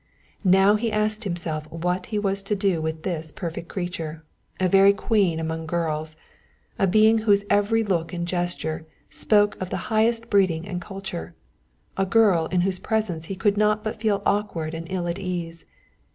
Now he asked himself what he was to do with this perfect creature, a very queen among girls, a being whose every look and gesture spoke of the highest breeding and culture, a girl in whose presence he could not but feel awkward and ill at ease.